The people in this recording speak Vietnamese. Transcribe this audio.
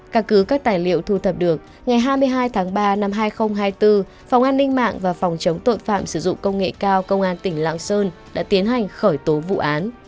căn cứ các tài liệu thu thập được ngày hai mươi hai tháng ba năm hai nghìn hai mươi bốn phòng an ninh mạng và phòng chống tội phạm sử dụng công nghệ cao công an tỉnh lạng sơn đã tiến hành khởi tố vụ án